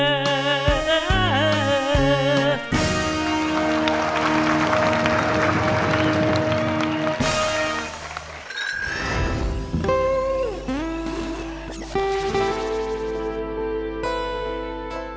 พี่กลัวไอ้หนุ่มอยู่ข้างหลังเป็นเพราะความจนอยากเห็นใจใจ